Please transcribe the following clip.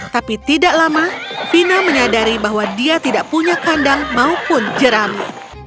tapi tidak lama fina menyadari bahwa dia tidak punya kandang maupun jerami